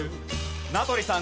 名取さん